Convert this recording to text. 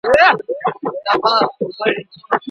که زده کوونکی غایب وي نو درس ترې پاته کیږي.